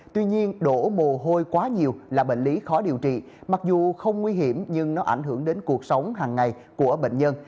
tuy nhiên đổ mồ hôi quá nhiều là bệnh lý khó điều trị mặc dù không nguy hiểm nhưng nó ảnh hưởng đến cuộc sống hàng ngày của bệnh nhân